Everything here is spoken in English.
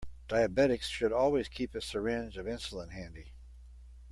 Diabetics should always keep a syringe of insulin handy.